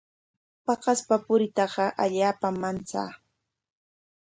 Paqaspa puriytaqa allaapam manchaa.